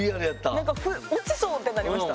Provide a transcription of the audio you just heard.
何か「落ちそう！」ってなりました。